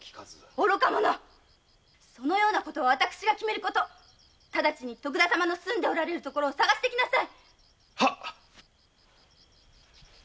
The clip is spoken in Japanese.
愚か者そのようなことは私が決めることすぐに徳田様の住んでおられる所を探しなさい